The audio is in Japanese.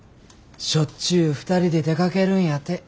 しょっちゅう２人で出かけるんやて。